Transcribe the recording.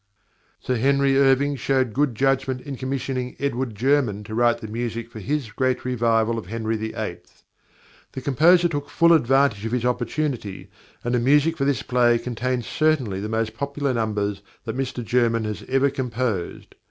Sir Henry Irving showed good judgment in commissioning +Edward German+ to write the music for his great revival of Henry VIII. The composer took full advantage of his opportunity, and the music for this play contains certainly the most popular numbers that Mr German has ever composed.